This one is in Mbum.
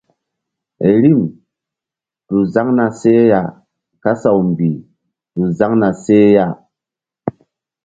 Rim tu zaŋ na seh ya kasaw mbih tu zaŋ na seh ya.